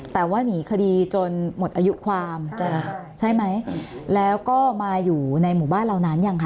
แต่ว่าหนีคดีจนหมดอายุความใช่ไหมแล้วก็มาอยู่ในหมู่บ้านเรานานยังคะ